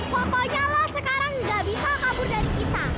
pokoknya lo sekarang gak bisa kabur dari kita